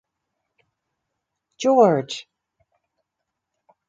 George.